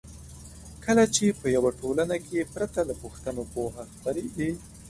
کله چې په یوه ټولنه کې پرته له پوښتنو پوهه خپریږي.